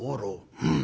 「うん。